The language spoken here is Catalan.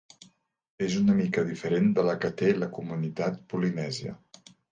És una mica diferent de la que té la comunitat polinèsia.